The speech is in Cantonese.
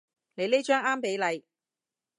你呢張啱比例